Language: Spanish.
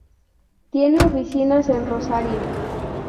Tiene oficinas en Rosario.